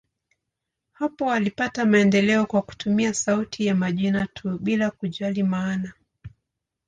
Hapo walipata maendeleo kwa kutumia sauti ya majina tu, bila kujali maana.